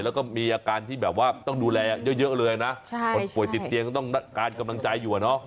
แล้วก็มีอาการที่แบบว่าต้องดูแลเยอะเลยนะคนป่วยติดเตียงก็ต้องการกำลังใจอยู่อะเนาะ